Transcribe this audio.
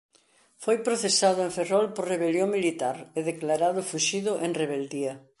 Foi procesado en Ferrol por rebelión militar e declarado fuxido en rebeldía.